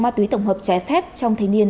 ma túy tổng hợp trẻ phép trong thế niên